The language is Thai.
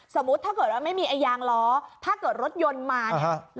สมมุติถ้าเกิดว่าไม่มีไอ้ยางล้อถ้าเกิดรถยนต์มาเนี่ย